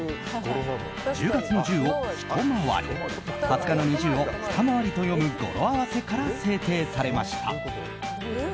１０月の１０を「ひとまわり」２０日の２０を「ふたまわり」と読む語呂合わせから制定されました。